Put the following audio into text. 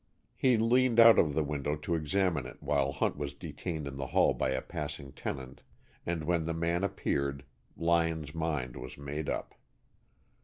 He leaned out of the window to examine it while Hunt was detained in the hall by a passing tenant, and when the man appeared Lyon's mind was made up.